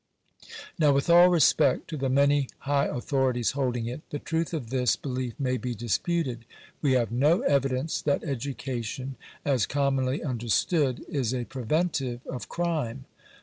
Now, with all respect to the many high authorities holding it, the truth of this belief may be disputed. We have no evidence that education, as commonly understood, is a preventive of crime.